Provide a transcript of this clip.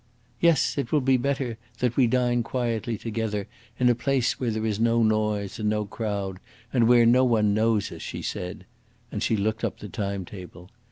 "Yes, it will be better that we dine quietly together in a place where there is no noise and no crowd, and where no one knows us," she said; and she looked up the time table.